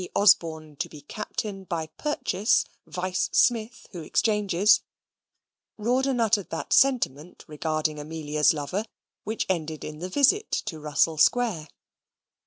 Osborne to be Captain by purchase, vice Smith, who exchanges," Rawdon uttered that sentiment regarding Amelia's lover, which ended in the visit to Russell Square.